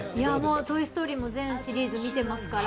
「トイ・ストーリー」も全シリーズ見てますから。